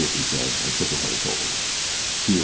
he said, and took her by the shoulders. "Here!"